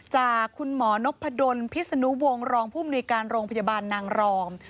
จากคุณหมอนพดลพิศนุวงศ์รองผู้มนุยการโรงพยาบาลนางรอง